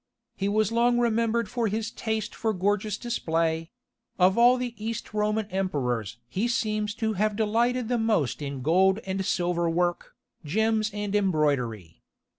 He was long remembered for his taste for gorgeous display; of all the East Roman emperors he seems to have delighted the most in gold and silver work, gems and embroidery.